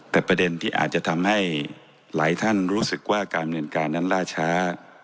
แต่ประเด็นที่อาจจะทำให้หลายท่านรู้สึกว่าการบริเวณการนั้นล่าช้า